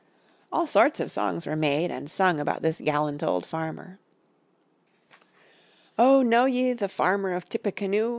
All sorts of songs were made and sung about this gallant old farmer. "Oh, know ye the farmer of Tippecanoe?